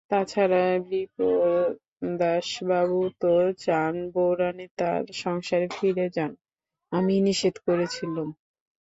তা ছাড়া বিপ্রদাসবাবু তো চান বউরানী তাঁর সংসারে ফিরে যান, আমিই নিষেধ করেছিলুম।